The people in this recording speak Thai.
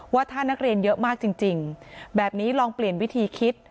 ว่าถ้านักเรียนเยอะมากจริงแบบนี้ลองเปลี่ยนวิธีคิด